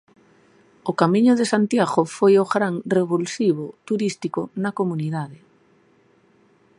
O Camiño de Santiago foi o gran revulsivo turístico na comunidade.